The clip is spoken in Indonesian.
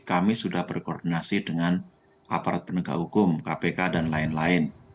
kami sudah berkoordinasi dengan aparat penegak hukum kpk dan lain lain